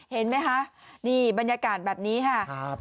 เห็นไหมคะนี่บรรยากาศแบบนี้ค่ะ